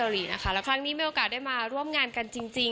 และกลัวว่าจะแรงยังไง